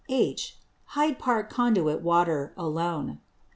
(H.) Hyde Park Conduit Water, alone.